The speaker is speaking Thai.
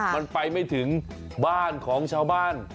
มันไปไม่ถึงบ้านของชาวบ้าน